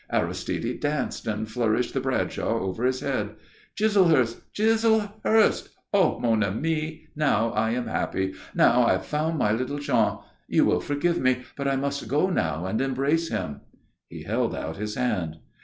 Aristide danced and flourished the Bradshaw over his head. "Chislehurst! Chislehurst! Ah, mon ami, now I am happy. Now I have found my little Jean. You will forgive me but I must go now and embrace him." He held out his hand.